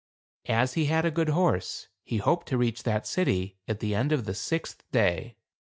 As he had a good horse, he hoped to reach that city at the end of the sixth day.